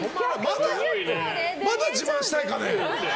まだ自慢したいかね。